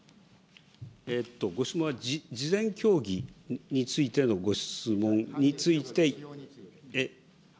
ご質問は事前協議についてのご質問について。